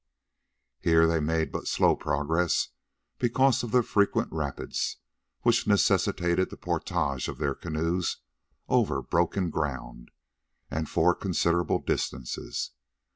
Here they made but slow progress because of the frequent rapids, which necessitated the porterage of the canoes over broken ground, and for considerable distances.